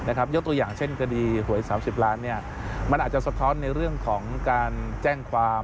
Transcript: ยกตัวอย่างเช่นคดีหวย๓๐ล้านมันอาจจะสะท้อนในเรื่องของการแจ้งความ